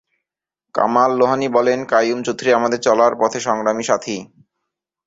কামাল লোহানী বলেন, কাইয়ুম চৌধুরী আমাদের চলার পথে সংগ্রামী সাথী।